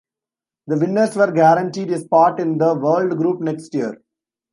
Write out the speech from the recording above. The winners were guaranteed a spot in the World Group next year.